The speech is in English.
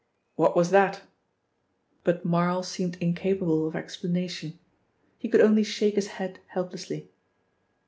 "What was that?" But Marl seemed incapable of explanation. He could only shake his head helplessly.